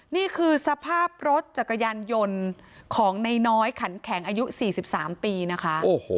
นี่คือสภาพรถจัดกระยันยนต์ของนายน้อยขันแข็งอายุสี่สิบสามปีนะคะโอ้โห